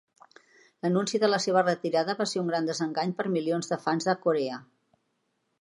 L'anunci de la seva retirada va ser un gran desengany per milions de fans a Corea.